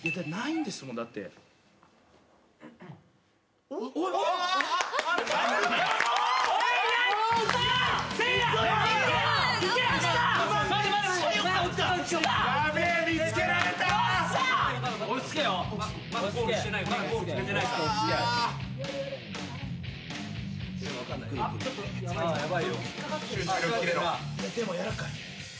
でもやらかい。